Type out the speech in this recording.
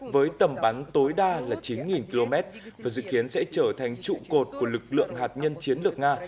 với tầm bắn tối đa là chín km và dự kiến sẽ trở thành trụ cột của lực lượng hạt nhân chiến lược nga